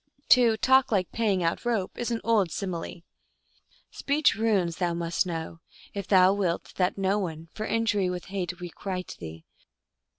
To " talk like paying out rope " is an old simile. " Speech runes thou must know, If thou wilt that no one for injury with hate requite thee.